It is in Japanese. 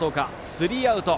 スリーアウト。